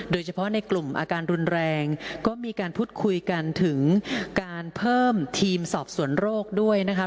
โดยเฉพาะในกลุ่มอาการรุนแรงก็มีการพูดคุยกันถึงการเพิ่มทีมสอบสวนโรคด้วยนะคะ